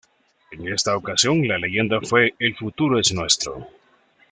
En esta ocasión, la leyenda fue "El futuro es nuestro".